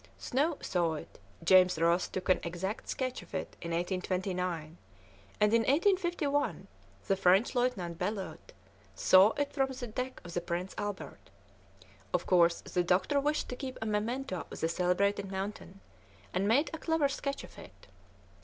Snow saw it; James Ross took an exact sketch of it in 1829; and in 1851 the French lieutenant Bellot saw it from the deck of the Prince Albert. Of course the doctor wished to keep a memento of the celebrated mountain, and made a clever sketch of it.